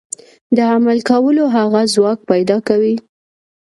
د عمل کولو هغه ځواک پيدا کوي.